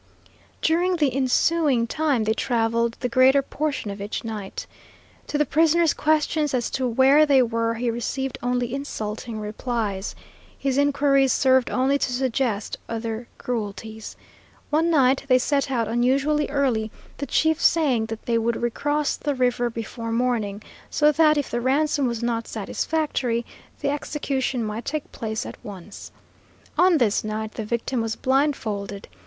During the ensuing time they traveled the greater portion of each night. To the prisoner's questions as to where they were he received only insulting replies. His inquiries served only to suggest other cruelties. One night they set out unusually early, the chief saying that they would recross the river before morning, so that if the ransom was not satisfactory, the execution might take place at once. On this night the victim was blindfolded.